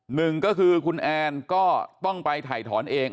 หนึ่งก็คือคุณแอนก็ต้องไปถ่ายถอนเอง